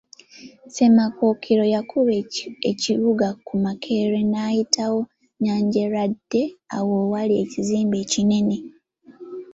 Ssemakookiro yakuba ekibuga ku Makeerere n'ayitawo Nnyanjeeradde, awo awali ekizimbe ekinene.